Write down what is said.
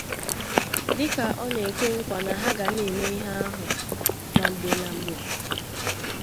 Dịka ọ na-ekwe nkwà na ha ga na-eme ihe ahụ na mgbe na mgbe